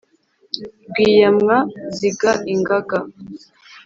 Rwiyamwa ziga ingaga